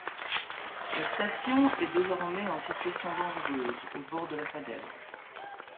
La station est désormais en situation dangereuse au bord de la falaise.